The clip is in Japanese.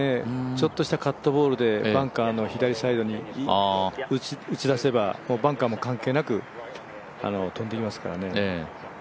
ちょっとしたカットボールでバンカーの左サイドに打ち出せばバンカーも関係なく飛んでいきますからね。